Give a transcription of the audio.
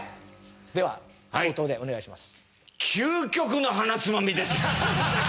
では口頭でお願いします。